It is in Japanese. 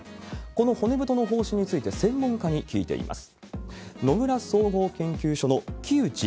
この骨太の方針について、専門家に聞いています。